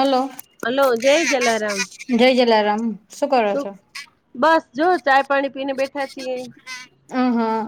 Hello, hello જય જલારામ જય જલારામ શું કરો છો. બસ જો ચાય પાણી પીને બેઠ અ હા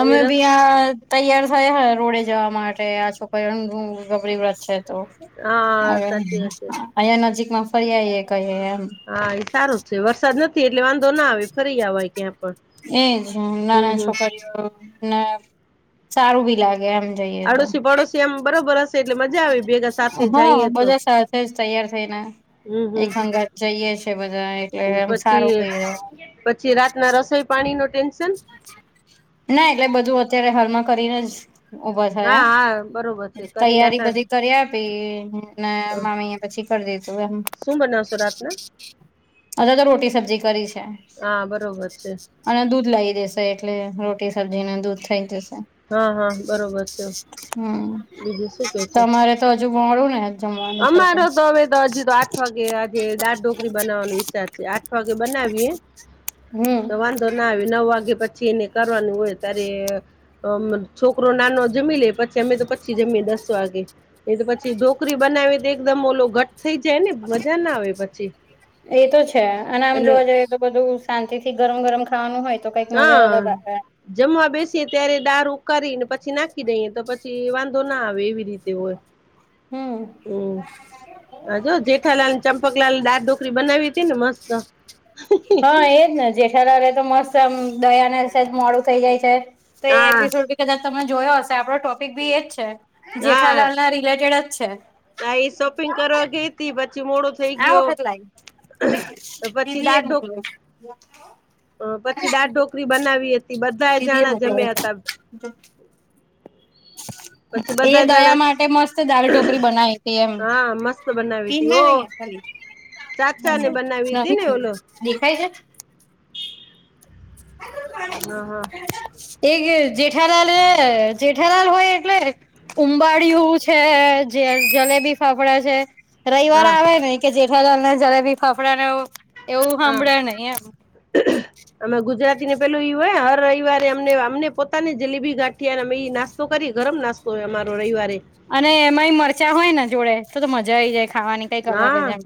હવે રસ બી આ જ તૈયાર થાય હે અરોડે જવા માટે, આ છોકરી [inaudible] ગબરી વ્રત છે તો હા હવે સાચી વાત છે અહીંયા નજીકમાં ફરી આયયે કહિયે એમ. હા, એ સારુ જ છે વરસાદ નથી એટલે વાંધો ના આવે ફરી આવાય ક્યાં પણ એજ હમ નાના હમ છોકરીઓ ને સારું બી લાગે એમ. જઈએ તો આડોશી પડોશી એમ બરોબર જ એટલે મજા આવે ભેગા સાથે જાઈએ હા તો બધા સાથે જ તૈયાર થઈને હમ-હમ, એક હંગાત જઈએ છે બધા એટલે એમ સારું બી રહે પછી-પછી રાતના રસોઈ પાણી નો ના એટલે બધું અત્યારે હાલમાં કરીને જ ઉભા હા થયા હા બરોબર છે કરી તૈયારી નાતા બધી કરી આપી ને મામીએ પછી કરી દીધું એમ શું બનાવશો રાતના? અમે તો રોટી સબ્જી કરી છે. હા બરોબર છે. અને દૂધ લાવી દેશે એટલે રોટી સબ્જીને દૂધ થઇ જશે. હા -હા, બરોબર છે હમ બીજું શું કેઓ છો. તમારે તો અજુ મોડુ ને જમવાનું થશે અમારો તો હવે તો હજી તો આઠ વાગે આજે દાળ ઢોકરી બનાવાનું વી ચાર છે આઠ વાગે બનાવીએ હમ તો વાંધો ના આવી નવ વાગે પ જેને કરવાનું હોય ત્યારે છોકરો નાનો જમી લેય પછી અમે તો પછી જમીએ દસ વાગે. એ તો પછી ઢો કરી બનાવી તો એકદમ ઓલો ઘટ થઈ જાય ને મજા ના આવે પછી. એ તો છે અને આમ એટલે જોવા જઈએ તો બધું શાંતિ થી ગરમ- ગરમ ખાવાનું હોય. તો કઈક મજા હા, અલગ આવે જમવા બેસીએ ત્યારે દાર ઉકારીને પછી નાખી દઈએ તો પછી તે વાંધો ના આવે એવી રીતે હોય. હમ. હમ, હ જો જેઠાલાલ ચંપકલાલ દાળ ઢોકરી બનાવી હતી ને મસ્ત. હ, એજ ને. જેઠલાલે તો મસ્ત આમ દયાને સેજ મોડું થઈ જાય છે તે હા એપિસોડ કદાચ તમે જોયો હશે. આપડો ટોપિક બી એજ છે. જેઠાલાલ ના રિલેટેડ જ છે. હાં, એ શોપિંગ કરવા ગઈ તી, પછી મોડો થઈ ગયો. દીધી એ મકલો. હ, પછી દાર ઢોકરી બનાવી હતી. બધા જાણા જમ્યા હતા. [inaudible] પછી [inaudible] એ બધા દયા જણા માટે મસ્ત દાળ ઢોકરી બનાઈ તી એમ. હા મસ્ત [unintelligible] બનાવી પી હતી નહી ઓ ખાલી ચાચા ને ન બનાવી હતી ને ઓલો દેખાય છે હા -હા. છે એ જ જેઠાલાલ -જેઠાલાલ હોય એટલે ઉંબાળિયુ છે, જે જલેબી ફાફડા છે રવિવાર હા આવે ને કે જેઠાલાલ ને જલેબી ફાફડે ને એવું સાંભળે નહી એમ હ અમે ગુજરાતી ને પેલું વ હોય હર રવિવારે અમને, અમને પોતાની જલેબી ગાંઠિયા અમે એ નાસ તો કરી ગરમ નાસ્તો હોય અમારો રવિવારે અને એમાંય મરચાં હોય ને જોડે તો તો મજા ખાવાની કઈક અલગ હા, જ એમ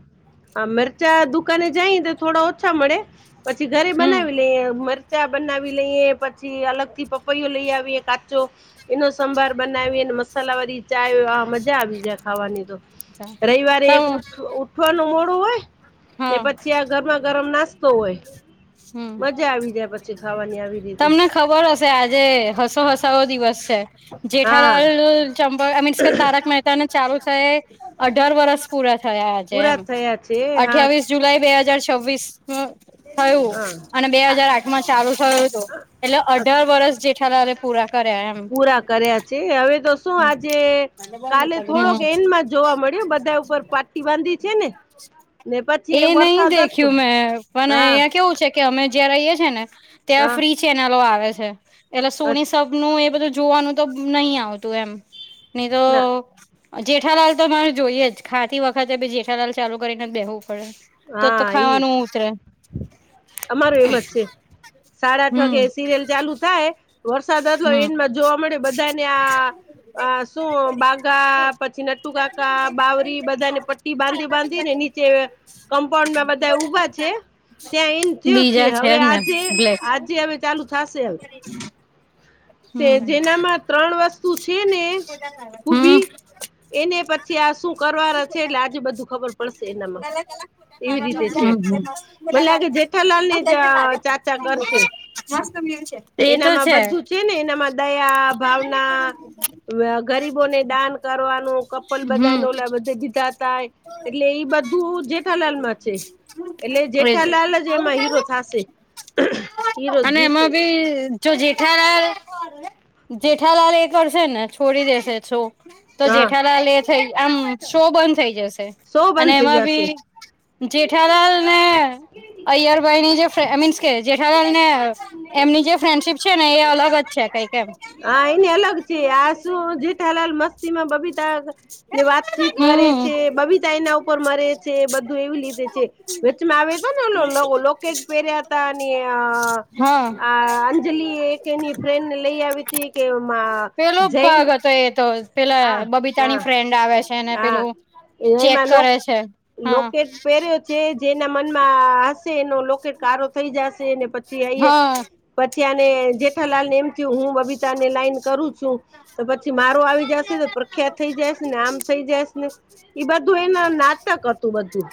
આ મરચા દુકાને જાય તો થોડા ઓછા મળે. પછી ઘરે હમ બનાવી લે મર કચા બનાવી લઈએ પછી અલગથી પપૈયો લઈ આવીએ કાચૂ એનો સંભાર બનાવીને, મસાલા વાળી ચાય, મજા આવી જાય ખાવાની તો રવિવારે એક હા ઉઠવાનું મોડું હોય ને હમ પછી આ ગરમા ગરમ નાસ્તો હોય. હમ્મ. શીખાવાની આવી રીતે તમને ખબર હશે આજે હસો હસાવો દિવસ છે. જેઠાલાલ હા ચંપ આઈ મીન્સ કે તારક મહેતાને ચાલું થય એ અઢાર વર્ષ પૂરા થયા આજે પૂરા એમ, થયા છે હા અઠ્યાવીસ જુલાઈ બે હાજાર છવ્વીસમાં થયું. હા અને બે હાજાર આઠ માં ચાલુ થયું હતું એટલે આ અઢાર વરષ જેઠલાલે પૂરા કર્યા એમ. પૂરા કર્યા છે હવે તો શું હમ આજે કાલે થોડોક એન્ડમાં જોવા મળ્યો બધા ઉપર પાટ્ટી બાંધી છે ને ને પછી એ નહીં વરસાદ હતો દેખ્યું મેં પણ હા અહિયા કેવું છે. કે અમે જ્યાં રહીએ છીએ ને ત્યાં હા ફ્રી ચેનલો આવે છે એટલે અ સોની સબ નું એ બધું જોવાનું તો નહી આવતું એમ નહી તો ના જેઠાલાલ તો મારે જોઈએ જ, ખાતી વખતે ભી જેઠાલાલ ચાલુ કરીને જ બેહવું પડે. તો હા ઈ ખાવાનું ઉતરે અમારું એમજ છે, સાડા આઠ હમ વાગે સિરિયલ ચાલુ થાય વરસાદ હતો હમ એન્ડમાં જોવા મળે, બધાને આ શું બાગા પછી નટ્ટુ કાકા, બાવરી બધાને પટ્ટી બાંધી બાંધીને નીચે કમ્પાઉન્ડમાં બધા ઊભા છે. ત્યાં એન્ડ થયો છે, બીજા હવે જ ને આજે બ્લેક આજે હવે ચાલુ થાશે એમ કે હમ જેનામાં ત્રણ વસ્તુ ને હમ ખૂબી એને પછી આ શું કરવાના છે એટલે આજે બધું ખબર પડશે એનામાં. એવી રીતે છે હમ્મ, હમ્મ. મને લાગે જેઠાલાલ ને જ ચાચા કરશે મસ્ત વ્યુ છે. એનામાં બધું છે ને એનામાં દયા ભાવ [unintelligible] ગરીબોને દાન કરવાનું, કપલ બધાને હમ ઓલા બધા દીધા હતા. એટલે એ બધું જેઠાલાલમાં છે. એટલે એજ જેઠાલાલ જ એમાં હીરો થશે હીરો જ અને જીતે એમાં બી જો જેઠાલાલ જેઠાલાલ એ કરશે ને છોડી દેશે શો તો હા જેઠાલાલ એ થઇ આમ શો બંધ થઈ જશે. સો અને બંધ થઈ એમાં જશે. બી જેઠાલાલ ને અય્યર ભાઇની જે મીન્સ જેઠાલાલ ને એમની જે ફ્રેન્ડશીપ છે ને એ અલગ જ છે કઈક એમ હા હા એને અલગ છે આ શું જેઠાલાલ મસ્તી માં બબીતા ને વાતચીત કરે હમ છે. બબિતા એના ઉપર મરે છે બધું એવી રીતે છે. વચમાં આવ્યો તો ઓલો લોકેટ પહેર્યા હતા અને હા અંજલી એક એની ફ્રેન્ડને લઈ આવી તઇકે પેલો જૈન ભાગ હતો એ તો હ પેલા હા બબીતાની હા ફ્રેન્ડ આવે છે ને હા પેલું ચેક એમાં કરે છે હા લોકેટ પેરે છે જેના મનમાં હશે એનો લોકેટ કારો થઈ જશે અને પછી અય્યર હા પછી આને જેઠાલાલ ને એમ થયું હું બબીતા ને લાઈન કરું છું તો પછી મારો આવી જશે તો પ્રખ્યાત થઈ જાયસ ને આમ થઈ જાયસ ને એ બધું એના નાટક હતું બધું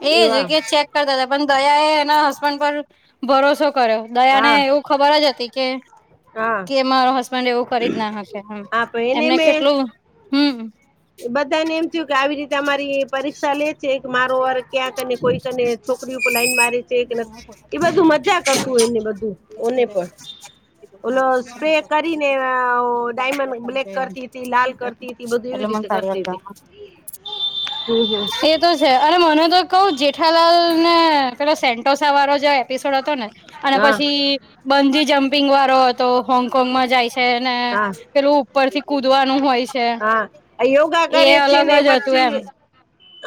એજ એવા કે ચેક કરતા હતા પણ દયાએ એના હસબન્ડ પર ભરોસો કર્યો. દયાને હા એવું ખબર જ હતી કે હા કે મારો હસ્બંડ પણ એવું કરી જ ના હકે હા તો એમને કેટલું હમ બધા ને એમ થયું કે આવી રીતે અમારી પરીક્ષા લે- છે મારો વારો ક્યાંકને કોઈકને છોકરી ઉપર લાઈન મારે છે કે એ બધું મજાક હતું એને [unintelligible] [unintelligible] [unintelligible] છે, બધું ઓને પણ ઓલો સ્પ્રે કરીને ડાયમંડ બ્લેક કરતી હતી લાલ કરતી હતી બધું એવી રીતે કરતી હતી હમ હમ અને મને તો કઉ જેઠાલાલ ને પેલો સેન્ટોસા વાળો જે એપિસોડ હતો ને અને હા પછી બંજી જમ્પિંગ વાળો તો હોંગકોંગમાં જાય છે, ને હા પેલું ઉપર થી કુદવાનું હોય છે, હા એ અલગ જ હતું એમ!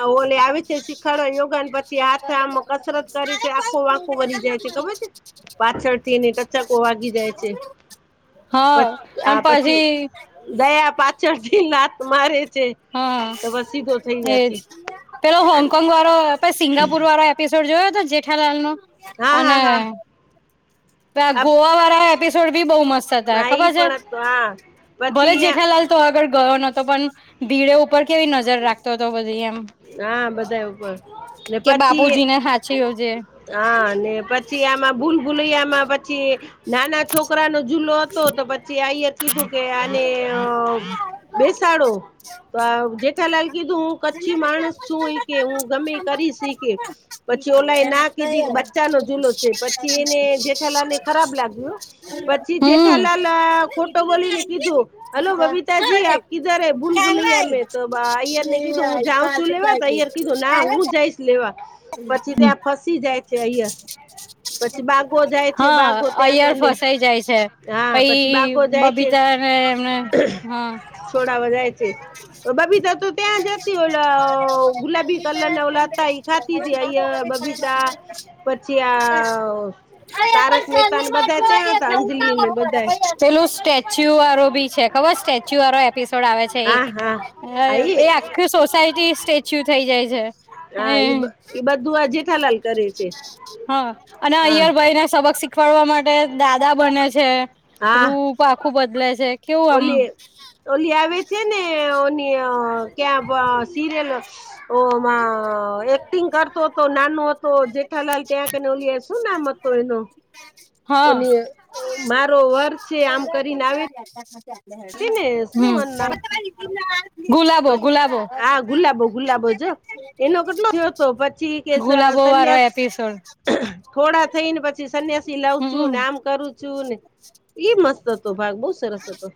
ઓલી આવીતી, શીખાડવા યોગાન પછી હાથ આમ કસરત કરી છે, આખું વાંકુ વરી ખબર છે? પાછળ થી એને ટચાકો વાગી જાય છે. હા હા પછી દયા પાછળથી લાત મારે છે. હા તો બસ સીધો થઈ જાય એજ છે. પેલો હોંગકોંગ વાળો પ સિંગાપુર વાળો એપીસોડ જોયો હતો જેઠાલાલ નો હા હા અને હા પેલાં હા ગોવાવાળા એપિસોડ બી બહુ મસ્ત હતા ઈ ખબર છે, પણ હતું હા પછી જેઠાલાલ તો આગળ ગયો નતો પણ ભીડે ઉપર કેવી નજર રાખતો હતો બધી એમ. હા બધાંએ ઉપર ને કે પછી બાપુજીને સાાચીયોજે હા અને પછી આમાં ભૂલ-ભૂલૈયામાં પછી નાના છોકરા નો જુલો હતો પછી આઈ કીધું કે આને બેસાડો. તો જેઠાલાલ કીધું હું કચ્છી માણસ છું. કે હું ગમે કરીશ ઈ કે. પછી ઓલાએ ના કીધી કે બચ્ચાનો જૂલો છે, પછી એને જે જેઠાલાલે ખરાબ લાગ્યું પછી હમ ખોટો બોલીને કીધું હલો બબીતાજી આપ કીધર હે ભૂલ-ભૂલયા મેં તો અયાર ને કીધું હું જાઉં છું લેવા તો અયર કીધું ના હું જઈશ લેવા. પછી ત્યાં ફસી જાય છે એયર પછી બાગો જાય છે હા બાગો તૈ અયર કને ફસાઈ જાય છે પછી પઈ બાગો જાય છે, બબીતા ને એમને હા છોડાવા જાય છે. બબીતા તો ત્યાં જતી ઓલા ગુલાબી કલર ના ઓલા હતા ઈ. થતીતી આઇએર, બબીતા પછી આ તારક મહેતા ને બધા ત્યાં હતા અંજલિ ને બધા [unintelligible] પેલું સ્ટેચ્યુ વાળો ભી છે. ખબર સ્ટેચ્યુ વાળો એપિસોડ આવે છે, એક હા હા હા એ આખી સોસાયટી સ્ટેચ્યુ થઇ જાય છે. હા એ હમ એ બધું આ જેઠાલાલ કરે છે. હા અને હા અય્યર ભાઈને સબક શીખવાડવા માટે દાદા બને છે, હા રૂપ આખું બદલે છે, કેવું આમ [unintelligible] આવે છે, ને ઓની ક્યાં સિરિયલ ઓમાં એક્ટિંગ કરતો હતો નાનો હતો, જેઠાલાલ ત્યાં કેને ઓલ શું નામ હતું એનો મારો વર છે આમ કરીને આવે હમ્મ હતી ને શું [inaudible] ગુલાબો-ગુલાબો હા ગુલાબો ગુલાબો જો એનો કેટલો થયો હતો પછી કે ગુલાબો વાળો સન્યાસ એપિસોડ થોડા થઈ ને પછી સન્યાસી લઉ છું, હમ ને આમ કરું છું ને એ મસ્ત હતો ભાગ બો સરસ હતો.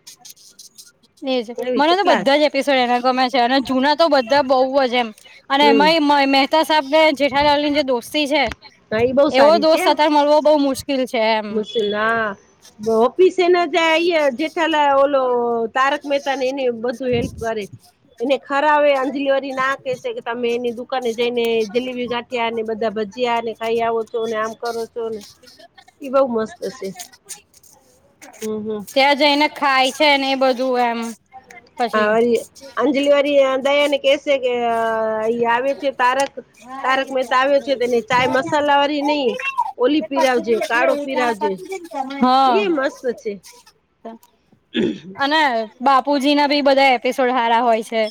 એજ એવી મને તો કેટલા બધા છે? જ એપિસોડ એના ગમે છે, અને જૂના તો બધા બઉુ જ એમ અને હમ. એમાંય મહેતા સાબ ને જેઠાલાલ ની જે દોસ્તી છે. હા એ બહુ એવો દોસ્ત અતાર મળવો બહુ મુશ્કેલ છે, એમ હા ઓફીસે ના જાઈ જેઠાલાલ ઓલો તારક મહેતા ને એને બધું હેલ્પ કરે. એને ખરાવે અંજલી ઓરી ના કેહેસે કે તમે એની દુકાને જઈને જલેબી ગા ઠિયા ને બધા ભજીયા ને ખાઈ આવો છો ને આમ કરો છો ને એ બહુ મસ્ત છે [inaudible] હમ હમ. ત્યાં જઈને ખાય છે ને એ બધું એમ હા પછી વરી અંજલી વરી દયાને કે સે અ એ આવે છે તારક તારક મહેતા આવ્યો છે તેને ચાય મસાલા વાળી ની ઓલી પીરાવજે કાળો પીરાવજે હા ઈ મસ્ત છે અને બાપુજી ના બી બધા એપિસોડ હારા હોય છે.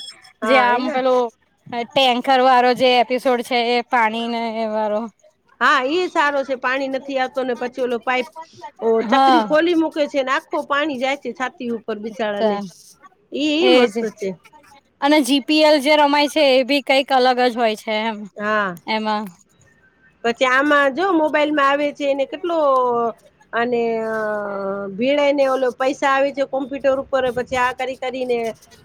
જે હા આમ એને પેલું ટેન્કર વાળો જે એપિસોડ છે એ પાણીને એ વાળો હા ઈ સારો છે પાણી નથી આવતો ને પછી ઓલો પાઈપ ઓ ચકરી હા ખોલી મૂકે છે આખુ પાણી જાય છે છાતી ઉપર બિચાડાની ઈ એજ મસ્ત છે. અને જીપીએલ જે રમાય છે એ બી કઈક અલગ જ હોય છે એમ હા એમાં પછી આમાં જો મોબાઈલ માં આવે છે એને કેટલો અને ભીડે ઈને ઓલો પૈસા આવે છે કોમ્પ્યુટર ઉપર પછી આ કરી કરીને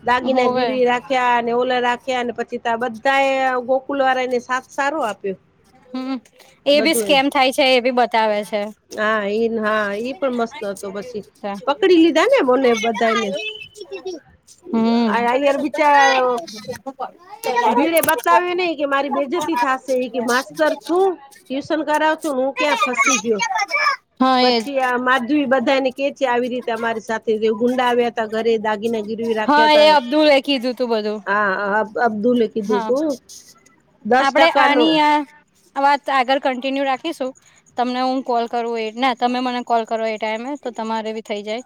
દાગીના હોવે ગીરવી રાખ યા અને ઓલા રાખ્યા અને પછી તા બધા એ ગોકુલ વાળાને સાથ સારો આપ્યો હમ્મ એ બી બધું એમ સ્કેમ થાય છે એ બી બતાવે છે. હા એ હા ઈ પણ મસ્ત હતો પછી પકડી લીધા ને મને બધાને [unintelligible] હમ્મ અયાર બિચાર ભીડે બતાવ્યું નહી [unintelligible] કે મારી બેજતી થાશે કે માસ્તર છું ટ્યુશન કરાવ છું હું ક્યાં ફસી ગયો હા એજ પછી આ માધવી બધાને કે છે આવી રીતે અમારી સાથે જે ગુંડા આવ્યા ઘરે દાગીને ગીરવી રા હ એ અબ્દુલ લે કીધું તુ બધું અબ્દુલે કીધું હા તું દસ આપણે ટકા નો આની આ વાત આગળ કન્ટિન્યુ રાખીશું તમને હું કોલ કરું એ ના તમે મને કોલ કરો એ ટાઈમે તો તમારે બી થઈ જાય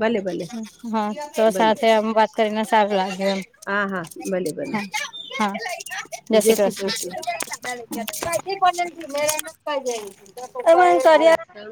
ભલે ભલે હ તો ભલે સાથે આમ વાત કરીને સારું લાગ્યું હા હા ભલે ભલે એમ હા જય શ્રી કૃષ્ણ. [unintelligible] [inaudible]